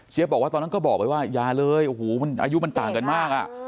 เจี๊ยบตอนนั้นก็บอกไปว่ายาเลยอายุมันต่างกันมากอะ